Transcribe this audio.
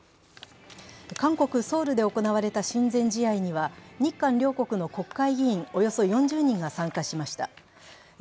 韓国・ソウルで行われた親善試合には日韓両国の国会議員およそ４０人が参加しました。